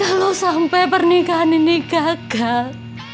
kalau sampai pernikahan ini gagal